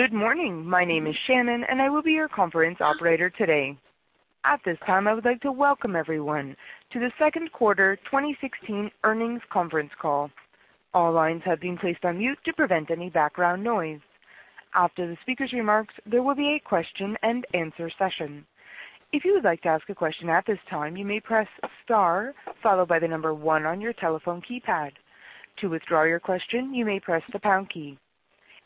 Good morning. My name is Shannon, and I will be your conference operator today. At this time, I would like to welcome everyone to the second quarter 2016 earnings conference call. All lines have been placed on mute to prevent any background noise. After the speaker's remarks, there will be a question and answer session. If you would like to ask a question at this time, you may press star followed by 1 on your telephone keypad. To withdraw your question, you may press the pound key.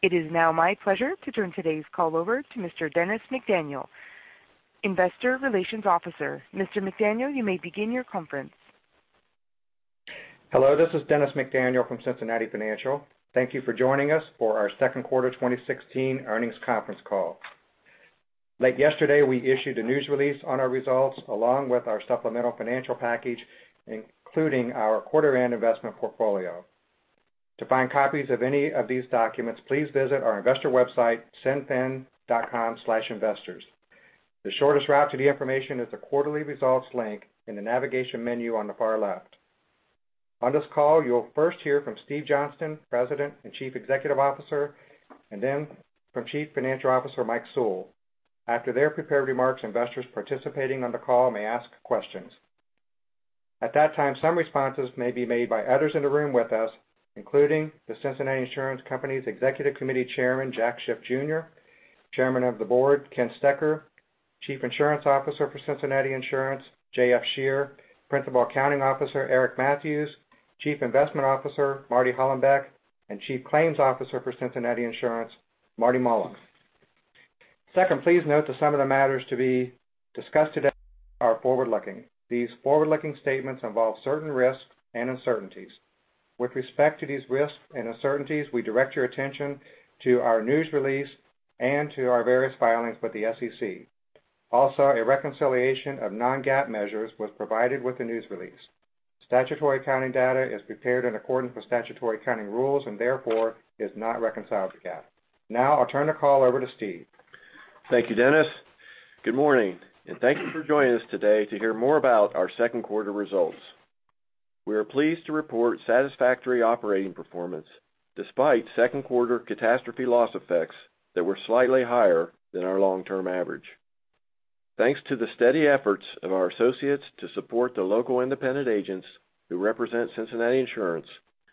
It is now my pleasure to turn today's call over to Mr. Dennis McDaniel, Investor Relations Officer. Mr. McDaniel, you may begin your conference. Hello, this is Dennis McDaniel from Cincinnati Financial. Thank you for joining us for our second quarter 2016 earnings conference call. Late yesterday, we issued a news release on our results along with our supplemental financial package, including our quarter end investment portfolio. To find copies of any of these documents, please visit our investor website, cinfin.com/investors. The shortest route to the information is the quarterly results link in the navigation menu on the far left. On this call, you'll first hear from Steve Johnston, President and Chief Executive Officer, and then from Chief Financial Officer, Mike Sewell. After their prepared remarks, investors participating on the call may ask questions. At that time, some responses may be made by others in the room with us, including The Cincinnati Insurance Company's Executive Committee Chairman, Jack Schiff Jr.; Chairman of the Board, Ken Stoecker; Chief Insurance Officer for Cincinnati Insurance, J.F. Scherer; Principal Accounting Officer, Eric Matthews; Chief Investment Officer, Marty Hollenbeck; and Chief Claims Officer for Cincinnati Insurance, Marty Mullen. Please note that some of the matters to be discussed today are forward-looking. These forward-looking statements involve certain risks and uncertainties. With respect to these risks and uncertainties, we direct your attention to our news release and to our various filings with the SEC. Also, a reconciliation of non-GAAP measures was provided with the news release. Statutory accounting data is prepared in accordance with statutory accounting rules and therefore is not reconciled to GAAP. I'll turn the call over to Steve. Thank you, Dennis. Good morning, and thank you for joining us today to hear more about our second quarter results. We are pleased to report satisfactory operating performance despite second quarter catastrophe loss effects that were slightly higher than our long-term average. Thanks to the steady efforts of our associates to support the local independent agents who represent Cincinnati Insurance,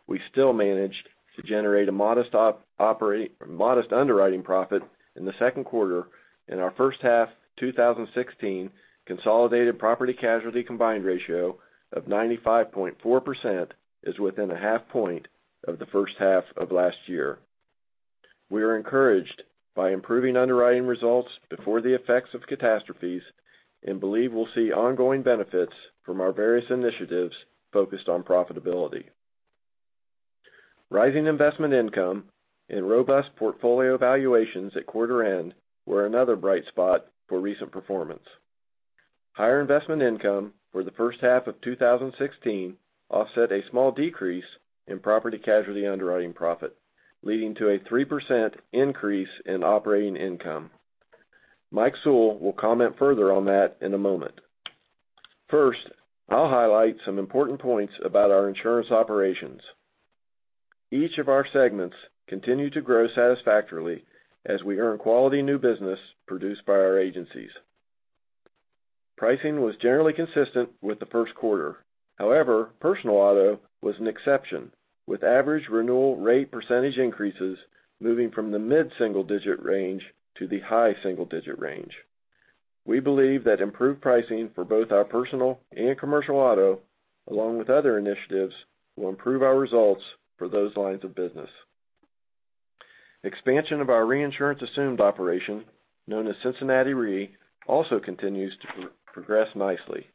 we still managed to generate a modest underwriting profit in the second quarter, and our first half 2016 consolidated property-casualty combined ratio of 95.4% is within a half point of the first half of last year. We are encouraged by improving underwriting results before the effects of catastrophes and believe we'll see ongoing benefits from our various initiatives focused on profitability. Rising investment income and robust portfolio valuations at quarter end were another bright spot for recent performance. Higher investment income for the first half of 2016 offset a small decrease in property-casualty underwriting profit, leading to a 3% increase in operating income. Mike Sewell will comment further on that in a moment. First, I'll highlight some important points about our insurance operations. Each of our segments continue to grow satisfactorily as we earn quality new business produced by our agencies. Pricing was generally consistent with the first quarter. However, personal auto was an exception, with average renewal rate percentage increases moving from the mid-single-digit range to the high single-digit range. We believe that improved pricing for both our personal and commercial auto, along with other initiatives, will improve our results for those lines of business. Expansion of our reinsurance assumed operation, known as Cincinnati Re, also continues to progress nicely.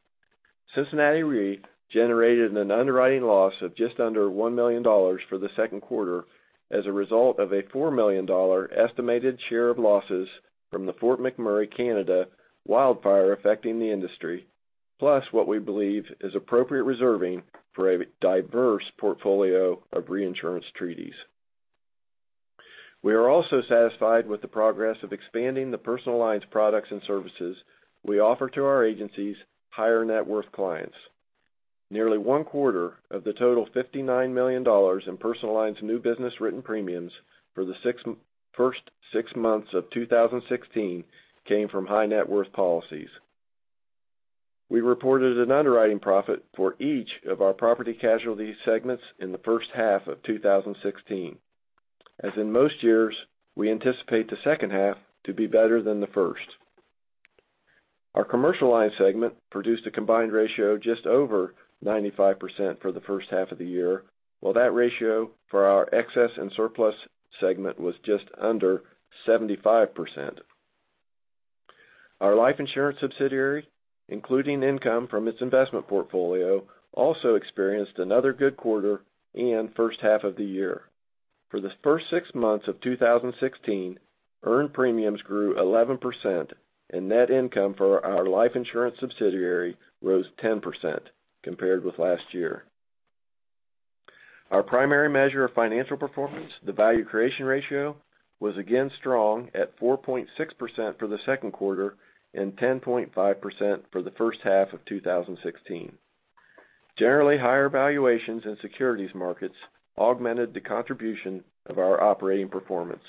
Cincinnati Re generated an underwriting loss of just under $1 million for the second quarter as a result of a $4 million estimated share of losses from the Fort McMurray, Canada wildfire affecting the industry, plus what we believe is appropriate reserving for a diverse portfolio of reinsurance treaties. We are also satisfied with the progress of expanding the personal lines products and services we offer to our agencies' higher net worth clients. Nearly one-quarter of the total $59 million in personal lines new business written premiums for the first six months of 2016 came from high net worth policies. We reported an underwriting profit for each of our property-casualty segments in the first half of 2016. As in most years, we anticipate the second half to be better than the first. Our commercial line segment produced a combined ratio just over 95% for the first half of the year, while that ratio for our excess and surplus segment was just under 75%. Our life insurance subsidiary, including income from its investment portfolio, also experienced another good quarter and first half of the year. For the first six months of 2016, earned premiums grew 11%, and net income for our life insurance subsidiary rose 10% compared with last year. Our primary measure of financial performance, the value creation ratio, was again strong at 4.6% for the second quarter and 10.5% for the first half of 2016. Generally, higher valuations in securities markets augmented the contribution of our operating performance.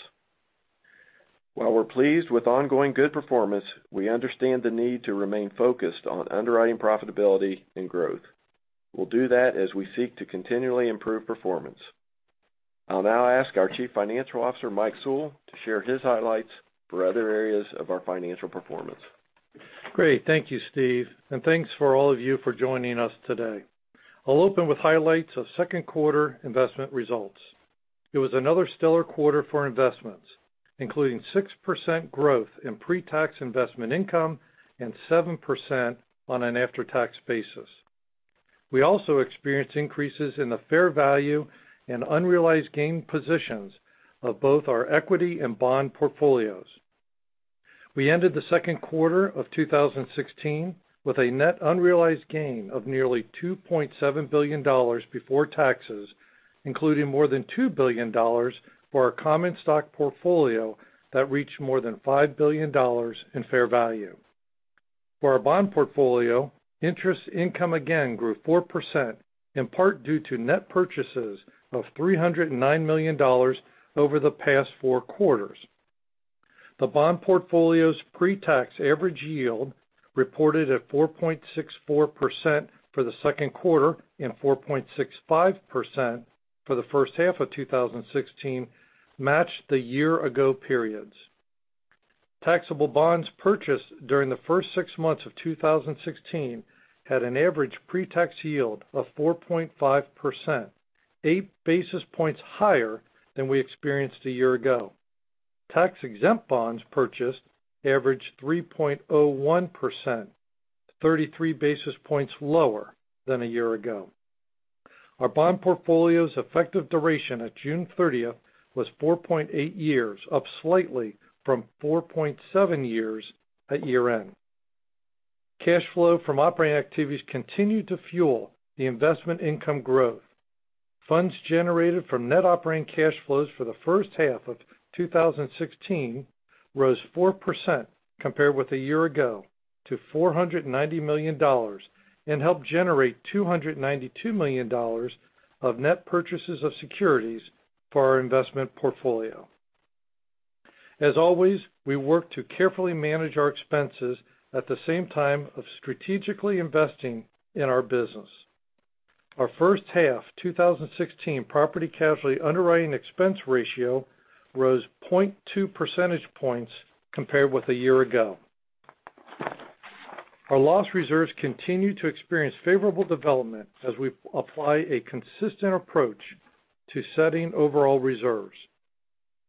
While we're pleased with ongoing good performance, we understand the need to remain focused on underwriting profitability and growth. We'll do that as we seek to continually improve performance. I'll now ask our Chief Financial Officer, Mike Sewell, to share his highlights for other areas of our financial performance. Great. Thank you, Steve, and thanks for all of you for joining us today. I'll open with highlights of second quarter investment results. It was another stellar quarter for investments, including 6% growth in pre-tax investment income and 7% on an after-tax basis. We also experienced increases in the fair value and unrealized gain positions of both our equity and bond portfolios. We ended the second quarter of 2016 with a net unrealized gain of nearly $2.7 billion before taxes, including more than $2 billion for our common stock portfolio that reached more than $5 billion in fair value. For our bond portfolio, interest income again grew 4%, in part due to net purchases of $309 million over the past four quarters. The bond portfolio's pre-tax average yield, reported at 4.64% for the second quarter and 4.65% for the first half of 2016, matched the year-ago periods. Taxable bonds purchased during the first six months of 2016 had an average pre-tax yield of 4.5%, eight basis points higher than we experienced a year ago. Tax-exempt bonds purchased averaged 3.01%, 33 basis points lower than a year ago. Our bond portfolio's effective duration at June 30th was 4.8 years, up slightly from 4.7 years at year-end. Cash flow from operating activities continued to fuel the investment income growth. Funds generated from net operating cash flows for the first half of 2016 rose 4% compared with a year ago to $490 million and helped generate $292 million of net purchases of securities for our investment portfolio. As always, we work to carefully manage our expenses at the same time of strategically investing in our business. Our first half 2016 property casualty underwriting expense ratio rose 0.2 percentage points compared with a year ago. Our loss reserves continue to experience favorable development as we apply a consistent approach to setting overall reserves.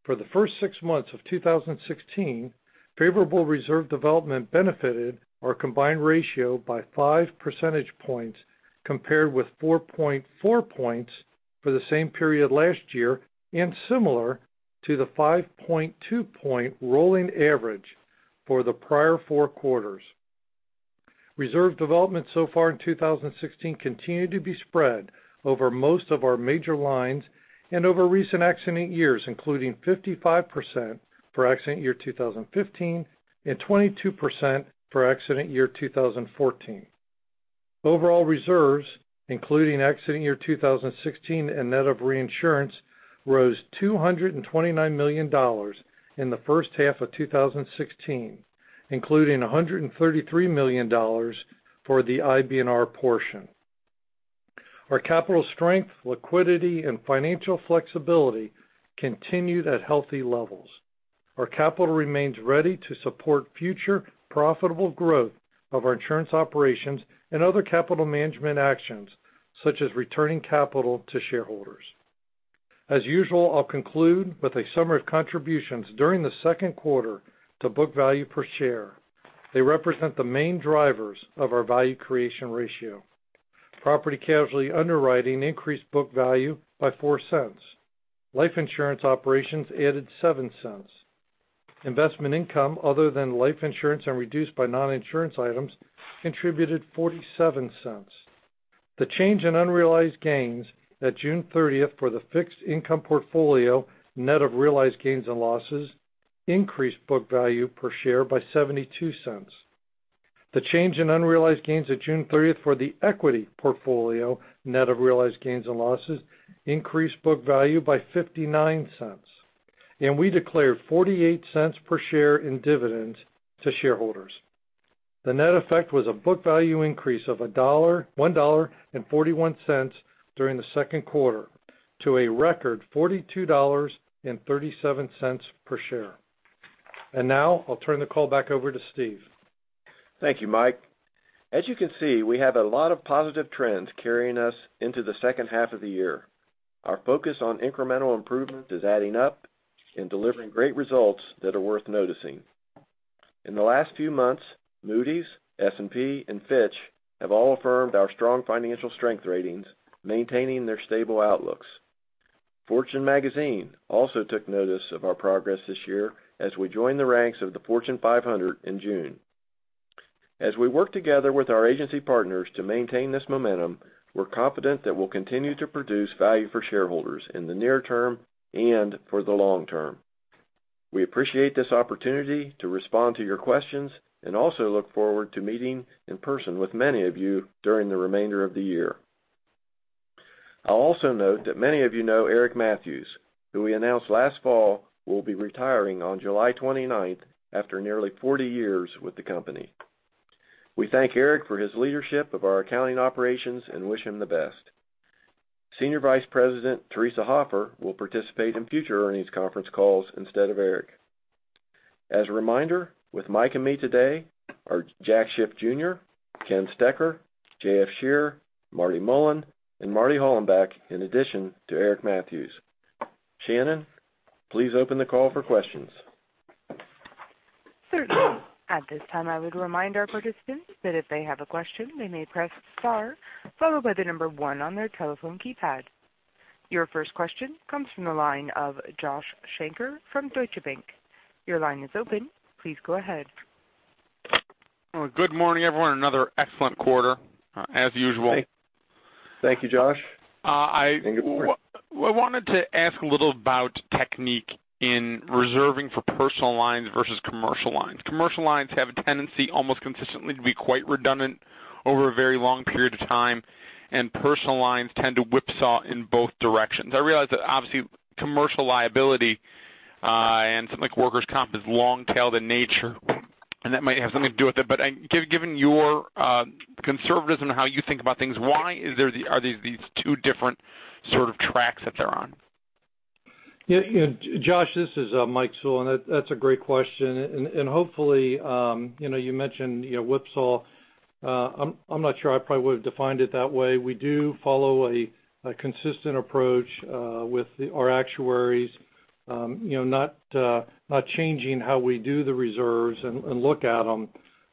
For the first six months of 2016, favorable reserve development benefited our combined ratio by five percentage points compared with 4.4 points for the same period last year and similar to the 5.2 point rolling average for the prior four quarters. Reserve development so far in 2016 continued to be spread over most of our major lines and over recent accident years, including 55% for accident year 2015 and 22% for accident year 2014. Overall reserves, including accident year 2016 and net of reinsurance, rose $229 million in the first half of 2016, including $133 million for the IBNR portion. Our capital strength, liquidity, and financial flexibility continued at healthy levels. Our capital remains ready to support future profitable growth of our insurance operations and other capital management actions, such as returning capital to shareholders. As usual, I'll conclude with a summary of contributions during the second quarter to book value per share. They represent the main drivers of our value creation ratio. Property casualty underwriting increased book value by $0.04. Life insurance operations added $0.07. Investment income other than life insurance and reduced by non-insurance items contributed $0.47. The change in unrealized gains at June 30th for the fixed income portfolio, net of realized gains and losses, increased book value per share by $0.72. The change in unrealized gains at June 30th for the equity portfolio, net of realized gains and losses, increased book value by $0.59. We declared $0.48 per share in dividends to shareholders. The net effect was a book value increase of $1.41 during the second quarter, to a record $42.37 per share. Now I'll turn the call back over to Steve. Thank you, Mike. As you can see, we have a lot of positive trends carrying us into the second half of the year. Our focus on incremental improvement is adding up and delivering great results that are worth noticing. In the last few months, Moody's, S&P, and Fitch have all affirmed our strong financial strength ratings, maintaining their stable outlooks. Fortune Magazine also took notice of our progress this year as we join the ranks of the Fortune 500 in June. As we work together with our agency partners to maintain this momentum, we're confident that we'll continue to produce value for shareholders in the near term and for the long term. We appreciate this opportunity to respond to your questions and also look forward to meeting in person with many of you during the remainder of the year. I'll also note that many of you know Eric Mathews, who we announced last fall will be retiring on July 29th after nearly 40 years with the company. We thank Eric for his leadership of our accounting operations and wish him the best. Senior Vice President Theresa Hoffer will participate in future earnings conference calls instead of Eric. As a reminder, with Mike and me today are Jack Schiff Jr., Ken Stoecker, J.F. Scherer, Marty Mullen, and Marty Hollenbeck, in addition to Eric Mathews. Shannon, please open the call for questions. Certainly. At this time, I would remind our participants that if they have a question, they may press star followed by the number one on their telephone keypad. Your first question comes from the line of Joshua Shanker from Deutsche Bank. Your line is open. Please go ahead. Good morning, everyone. Another excellent quarter, as usual. Thank you, Josh. I wanted to ask a little about technique in reserving for personal lines versus commercial lines. Commercial lines have a tendency almost consistently to be quite redundant over a very long period of time, and personal lines tend to whipsaw in both directions. I realize that obviously commercial liability and something like workers' comp is long-tailed in nature, and that might have something to do with it. Given your conservatism and how you think about things, why are there these two different sort of tracks that they're on? Josh, this is Mike Sewell, that's a great question. Hopefully, you mentioned whipsaw. I'm not sure I probably would've defined it that way. We do follow a consistent approach with our actuaries, not changing how we do the reserves and look at them.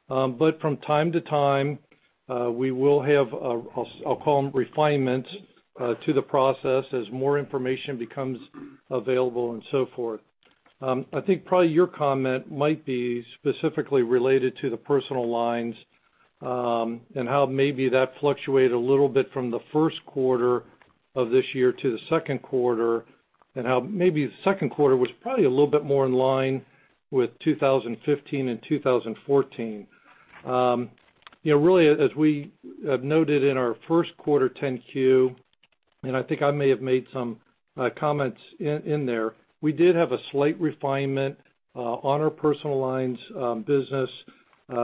From time to time, we will have, I'll call them refinements to the process as more information becomes available and so forth. I think probably your comment might be specifically related to the personal lines, and how maybe that fluctuated a little bit from the first quarter of this year to the second quarter, and how maybe the second quarter was probably a little bit more in line with 2015 and 2014. Really, as we have noted in our first quarter 10-Q, I think I may have made some comments in there, we did have a slight refinement on our personal lines business,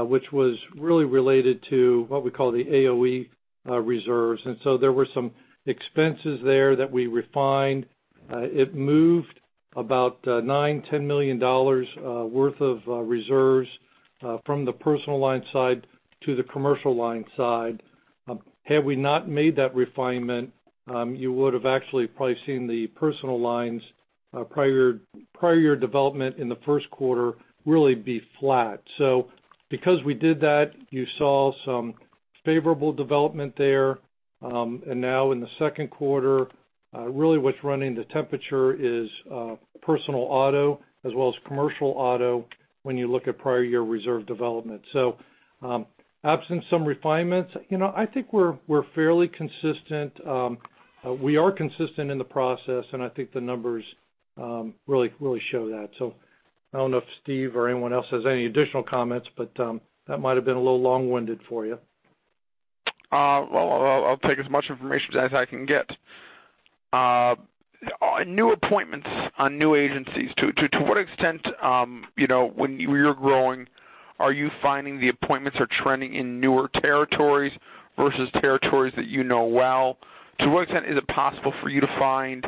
which was really related to what we call the AOE reserves. There were some expenses there that we refined. It moved about $9 million-$10 million worth of reserves from the personal line side to the commercial line side. Had we not made that refinement, you would've actually probably seen the personal lines prior development in the first quarter really be flat. Because we did that, you saw some favorable development there. Now in the second quarter, really what's running the temperature is personal auto as well as commercial auto when you look at prior year reserve development. Absent some refinements, I think we're fairly consistent. We are consistent in the process, and I think the numbers really show that. I don't know if Steve or anyone else has any additional comments, but that might've been a little long-winded for you. Well, I'll take as much information as I can get. New appointments on new agencies. To what extent when you're growing, are you finding the appointments are trending in newer territories versus territories that you know well? To what extent is it possible for you to find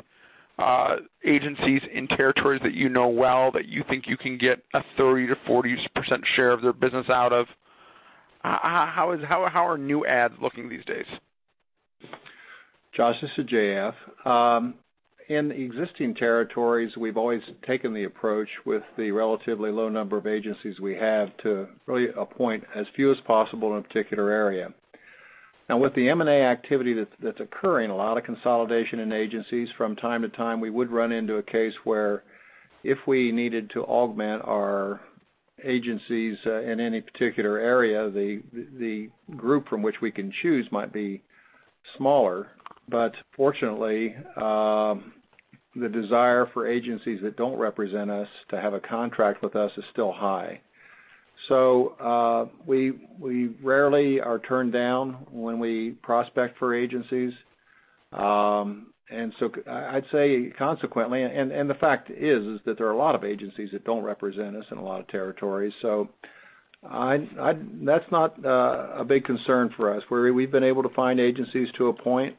agencies in territories that you know well, that you think you can get a 30%-40% share of their business out of? How are new ads looking these days? Josh, this is J.F. In existing territories, we've always taken the approach with the relatively low number of agencies we have to really appoint as few as possible in a particular area. Now, with the M&A activity that's occurring, a lot of consolidation in agencies from time to time, we would run into a case where if we needed to augment our agencies in any particular area, the group from which we can choose might be smaller. Fortunately, the desire for agencies that don't represent us to have a contract with us is still high. We rarely are turned down when we prospect for agencies. I'd say consequently, and the fact is that there are a lot of agencies that don't represent us in a lot of territories. That's not a big concern for us. We've been able to find agencies to appoint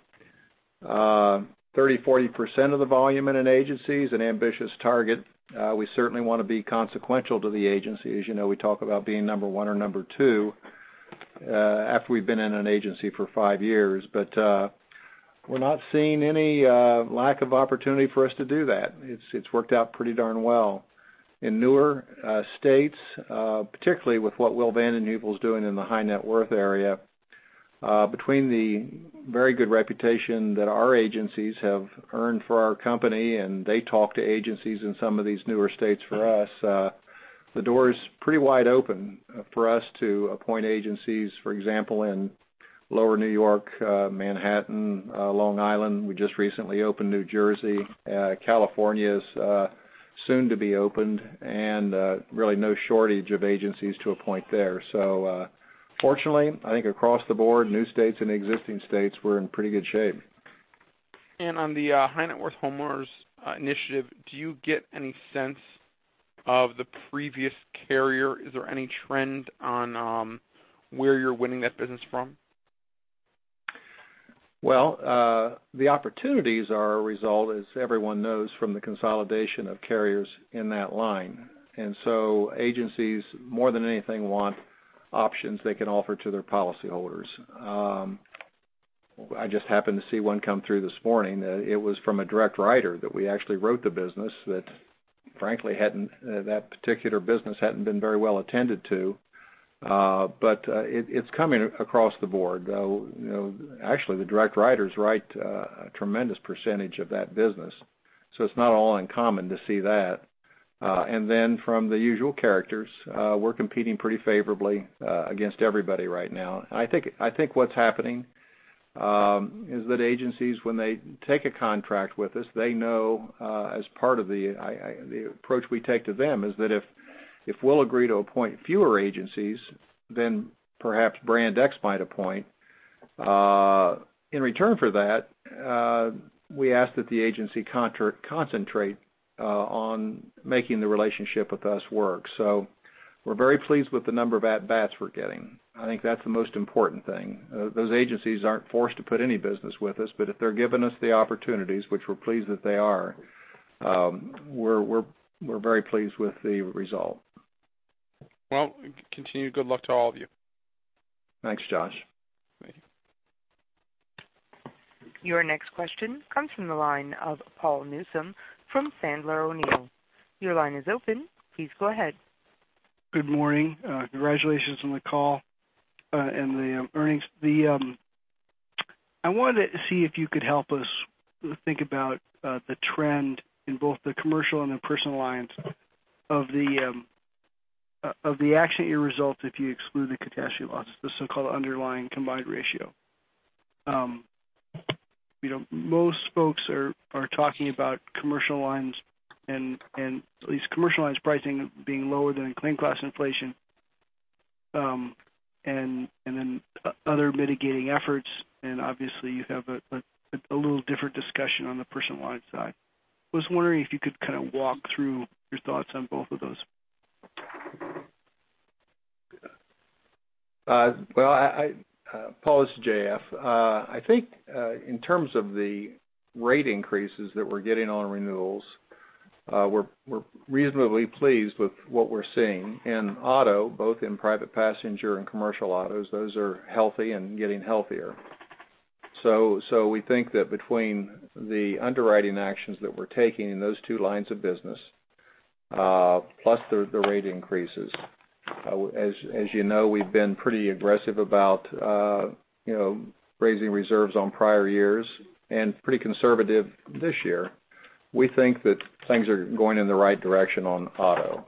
30%, 40% of the volume in an agency is an ambitious target. We certainly want to be consequential to the agency. As you know, we talk about being number one or number two after we've been in an agency for five years. We're not seeing any lack of opportunity for us to do that. It's worked out pretty darn well. In newer states, particularly with what Will Van Den Heuvel's doing in the high net worth area. Between the very good reputation that our agencies have earned for our company, and they talk to agencies in some of these newer states for us. The door is pretty wide open for us to appoint agencies, for example, in Lower New York, Manhattan, Long Island. We just recently opened New Jersey. California's soon to be opened, really no shortage of agencies to appoint there. Fortunately, I think across the board, new states and existing states, we're in pretty good shape. On the high net worth Homeowners Initiative, do you get any sense of the previous carrier? Is there any trend on where you're winning that business from? Well, the opportunities are a result, as everyone knows, from the consolidation of carriers in that line. Agencies, more than anything, want options they can offer to their policyholders. I just happened to see one come through this morning. It was from a direct writer that we actually wrote the business that frankly, that particular business hadn't been very well attended to. It's coming across the board. Actually, the direct writers write a tremendous percentage of that business, so it's not all uncommon to see that. From the usual characters, we're competing pretty favorably against everybody right now. I think what's happening is that agencies, when they take a contract with us, they know as part of the approach we take to them is that if we'll agree to appoint fewer agencies than perhaps Brand X might appoint, in return for that, we ask that the agency concentrate on making the relationship with us work. We're very pleased with the number of at-bats we're getting. I think that's the most important thing. Those agencies aren't forced to put any business with us, but if they're giving us the opportunities, which we're pleased that they are, we're very pleased with the result. Continued good luck to all of you. Thanks, Josh. Thank you. Your next question comes from the line of Paul Newsome from Sandler O'Neill + Partners. Your line is open. Please go ahead. Good morning. Congratulations on the call and the earnings. I wanted to see if you could help us think about the trend in both the commercial and the personal lines of the accident year results if you exclude the catastrophe loss, the so-called underlying combined ratio. Most folks are talking about commercial lines and at least commercial lines pricing being lower than claim cost inflation, other mitigating efforts, and obviously, you have a little different discussion on the personal lines side. I was wondering if you could kind of walk through your thoughts on both of those. Well, Paul, this is J.F. I think in terms of the rate increases that we're getting on renewals, we're reasonably pleased with what we're seeing. In auto, both in private passenger and commercial autos, those are healthy and getting healthier. We think that between the underwriting actions that we're taking in those two lines of business, plus the rate increases, as you know, we've been pretty aggressive about raising reserves on prior years and pretty conservative this year. We think that things are going in the right direction on auto.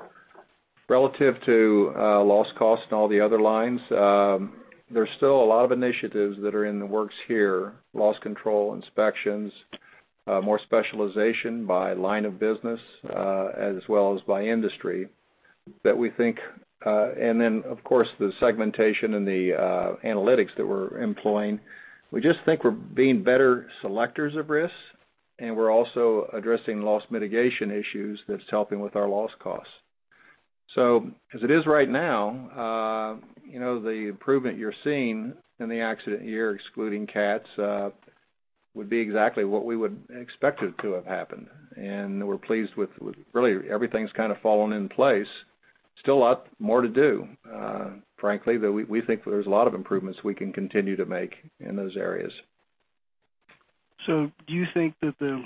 Relative to loss cost and all the other lines, there's still a lot of initiatives that are in the works here, loss control, inspections, more specialization by line of business, as well as by industry, and of course, the segmentation and the analytics that we're employing. We just think we're being better selectors of risks. We're also addressing loss mitigation issues that's helping with our loss costs. As it is right now, the improvement you're seeing in the accident year, excluding cats, would be exactly what we would expect it to have happened, and we're pleased with, really, everything's kind of fallen in place. Still a lot more to do, frankly, though we think there's a lot of improvements we can continue to make in those areas. Do you think that the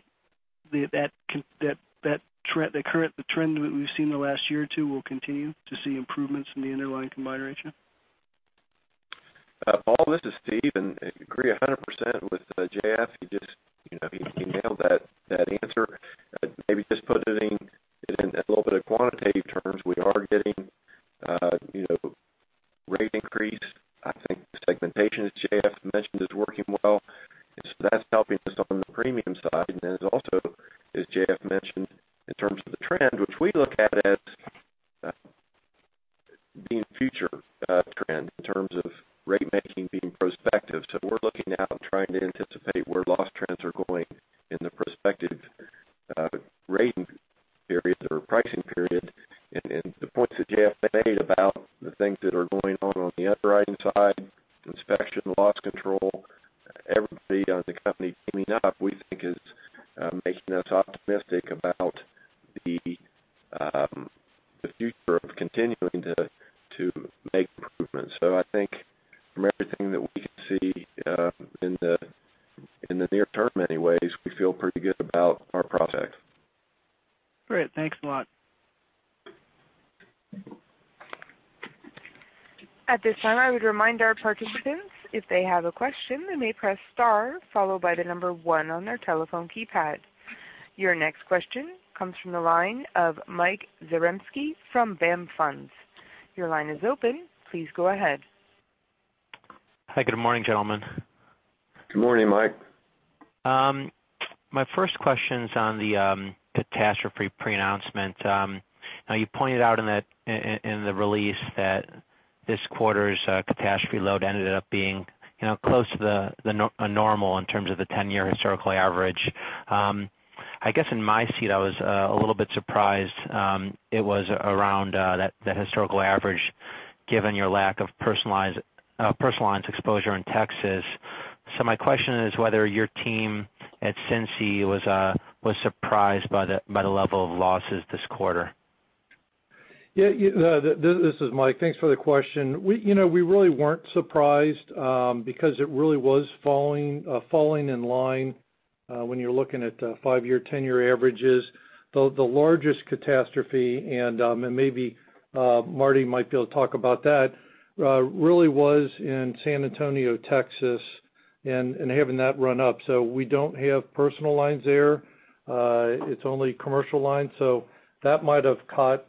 trend that we've seen in the last year or two will continue to see improvements in the underlying combined ratio? Paul, this is Steve, agree 100% with J.F. Scherer. He nailed that answer. Maybe just putting it Thank you. At this time, I would remind our participants if they have a question, they may press star followed by the number 1 on their telephone keypad. Your next question comes from the line of Mike Zaremski from BAM Funds. Your line is open. Please go ahead. Hi, good morning, gentlemen. Good morning, Mike. My first question's on the catastrophe pre-announcement. You pointed out in the release that this quarter's catastrophe load ended up being close to normal in terms of the 10-year historical average. I guess in my seat, I was a little bit surprised it was around that historical average, given your lack of personal lines exposure in Texas. My question is whether your team at Cincy was surprised by the level of losses this quarter. Yeah. This is Mike Sewell. Thanks for the question. We really weren't surprised because it really was falling in line when you're looking at 5-year, 10-year averages. The largest catastrophe, and maybe Marty Mullen might be able to talk about that, really was in San Antonio, Texas, and having that run-up. We don't have personal lines there. It's only commercial lines. That might have caught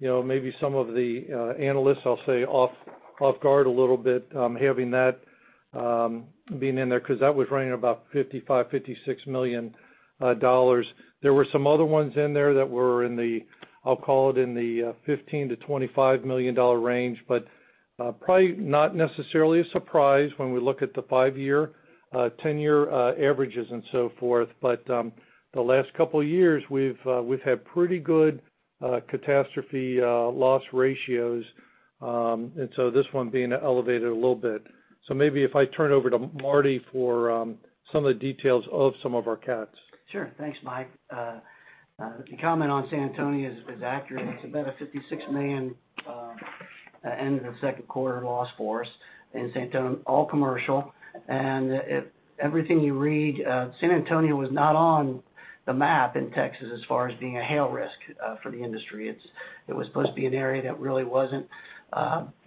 maybe some of the analysts, I'll say, off guard a little bit having that being in there because that was running about $55 million-$56 million. There were some other ones in there that were in the, I'll call it, in the $15 million-$25 million range, but probably not necessarily a surprise when we look at the 5-year, 10-year averages and so forth. The last couple of years, we've had pretty good catastrophe loss ratios, and so this one being elevated a little bit. Maybe if I turn it over to Marty Mullen for some of the details of some of our cats. Sure. Thanks, Mike Sewell. The comment on San Antonio is accurate. It's about a $56 million end of the second quarter loss for us in San Antonio, all commercial. Everything you read, San Antonio was not on the map in Texas as far as being a hail risk for the industry. It was supposed to be an area that really wasn't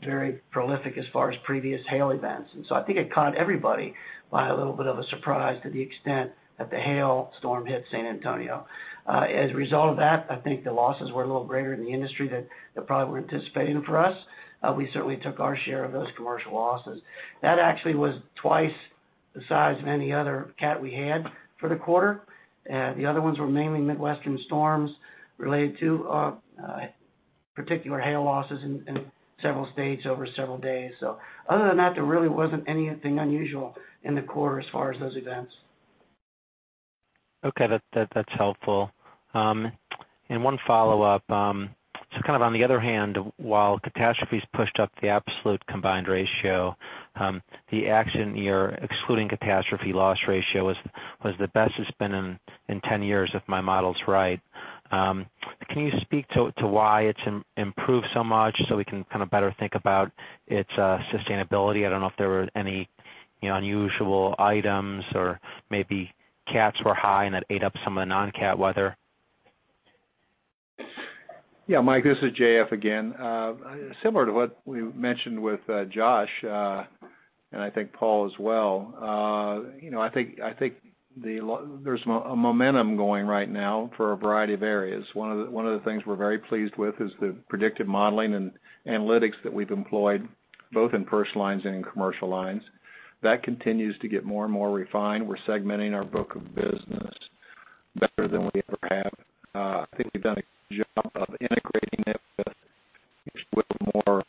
very prolific as far as previous hail events, and so I think it caught everybody by a little bit of a surprise to the extent that the hail storm hit San Antonio. As a result of that, I think the losses were a little greater in the industry than they probably were anticipating for us. We certainly took our share of those commercial losses. That actually was twice the size of any other cat we had for the quarter. The other ones were mainly Midwestern storms related to particular hail losses in several states over several days. Other than that, there really wasn't anything unusual in the quarter as far as those events. Okay. That's helpful. One follow-up. Kind of on the other hand, while catastrophes pushed up the absolute combined ratio, the accident year excluding catastrophe loss ratio was the best it's been in 10 years if my model's right. Can you speak to why it's improved so much so we can kind of better think about its sustainability? I don't know if there were any unusual items or maybe cats were high, and that ate up some of the non-cat weather. Yeah, Mike, this is J.F. again. Similar to what we mentioned with Josh, and I think Paul as well, I think there's a momentum going right now for a variety of areas. One of the things we're very pleased with is the predictive modeling and analytics that we've employed both in personal lines and in commercial lines. That continues to get more and more refined. We're segmenting our book of business better than we ever have. I think we've done a good job of integrating it with more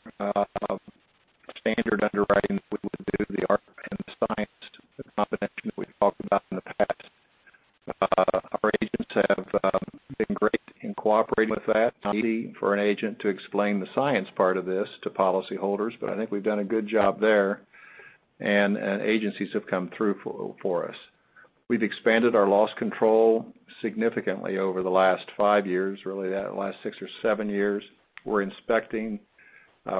standard underwriting than we would do the art and the science, the combination that we've talked about in the past. Our agents have been great in cooperating with that. It's not easy for an agent to explain the science part of this to policyholders, but I think we've done a good job there, and agencies have come through for us. We've expanded our loss control significantly over the last five years, really the last six or seven years. We're inspecting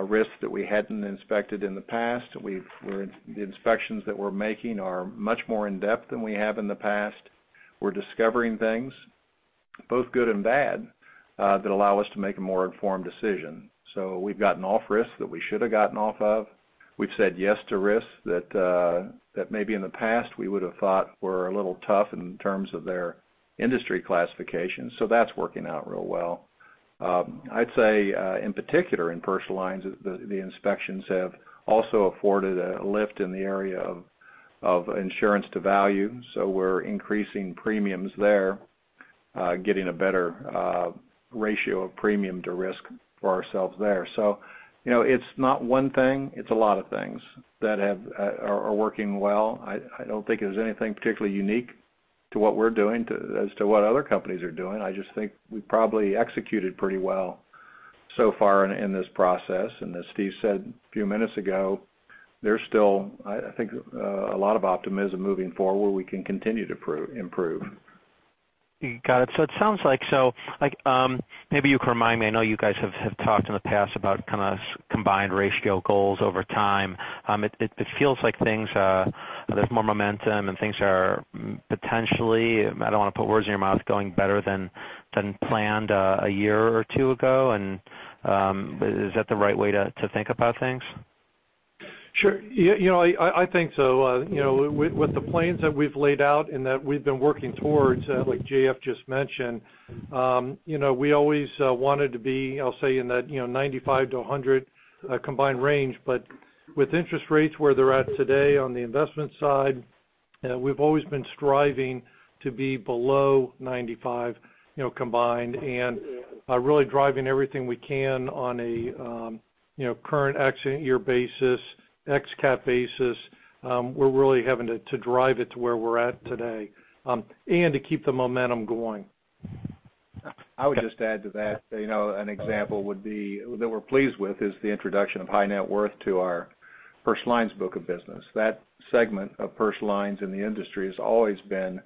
risks that we hadn't inspected in the past. The inspections that we're making are much more in-depth than we have in the past. We're discovering things, both good and bad, that allow us to make a more informed decision. We've gotten off risks that we should have gotten off of. We've said yes to risks that maybe in the past we would have thought were a little tough in terms of their industry classification. That's working out real well. I'd say, in particular in personal lines, the inspections have also afforded a lift in the area of insurance to value. We're increasing premiums there, getting a better ratio of premium to risk for ourselves there. It's not one thing, it's a lot of things that are working well. I don't think there's anything particularly unique to what we're doing as to what other companies are doing. I just think we probably executed pretty well so far in this process. As Steve said a few minutes ago, there's still, I think, a lot of optimism moving forward where we can continue to improve. Got it. It sounds like, maybe you can remind me. I know you guys have talked in the past about kind of combined ratio goals over time. It feels like there's more momentum and things are potentially, I don't want to put words in your mouth, going better than planned a year or two ago, is that the right way to think about things? Sure. I think so. With the plans that we've laid out and that we've been working towards, like J.F. just mentioned, we always wanted to be, I'll say, in that 95-100 combined range. With interest rates where they're at today on the investment side, we've always been striving to be below 95 combined, really driving everything we can on a current accident year basis, ex-cat basis. We're really having to drive it to where we're at today, to keep the momentum going. I would just add to that, an example that we're pleased with is the introduction of high net worth to our personal lines book of business. That segment of personal lines in the industry has always been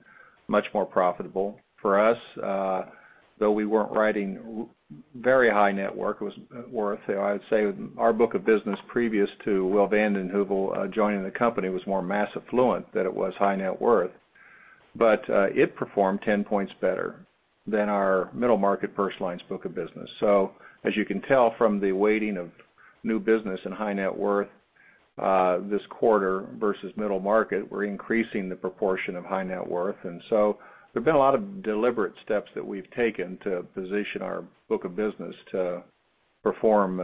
much more profitable for us. Though we weren't writing very high net worth, I would say our book of business previous to Will Van Den Heuvel joining the company was more mass affluent than it was high net worth. It performed 10 points better than our middle market personal lines book of business. As you can tell from the weighting of new business and high net worth this quarter versus middle market, we're increasing the proportion of high net worth. There's been a lot of deliberate steps that we've taken to position our book of business to perform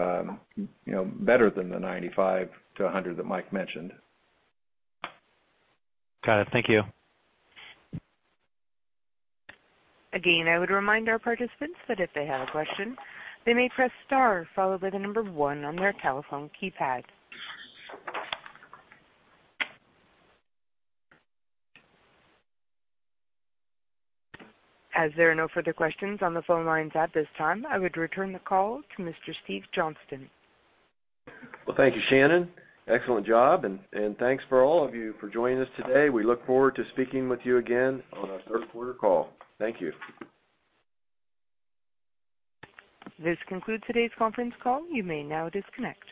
better than the 95-100 that Mike mentioned. Got it. Thank you. Again, I would remind our participants that if they have a question, they may press star, followed by the one on their telephone keypad. As there are no further questions on the phone lines at this time, I would return the call to Mr. Steve Johnston. Well, thank you, Shannon. Excellent job, and thanks for all of you for joining us today. We look forward to speaking with you again on our third quarter call. Thank you. This concludes today's conference call. You may now disconnect.